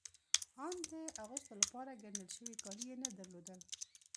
آن د اغوستو لپاره ګنډل شوي کالي يې نه درلودل.